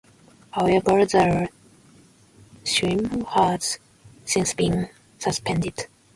However, the scheme has since been suspended.